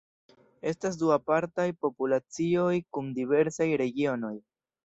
Estas du apartaj populacioj kun diversaj regionoj.